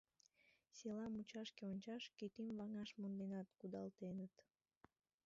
Села мучашке ончаш, кӱтӱм ваҥаш монденат кудалтеныт.